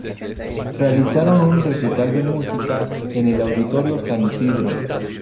Realizaron un recital de música en el auditorio San Isidro.